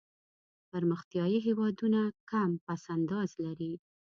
پرمختیایي هېوادونه کم پس انداز لري.